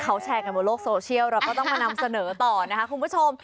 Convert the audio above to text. เขาแชร์กันบนโลกโซเชียลเราก็ต้องมานำเสนอต่อนะคะคุณผู้ชม